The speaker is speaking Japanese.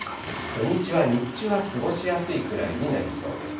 土日は日中は過ごしやすいぐらいになりそうです。